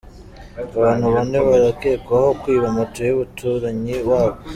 Abantu Bane barakekwaho kwiba moto y’umuturanyi wabo